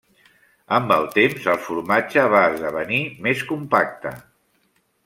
Amb el temps, el formatge va esdevenir més compacte.